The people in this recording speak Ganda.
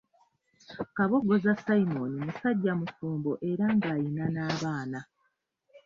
Kabogoza Simon musajja mufumbo era nga alina n'abaana.